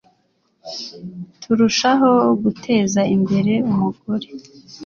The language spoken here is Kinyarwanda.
turushaho guteza imbere umugore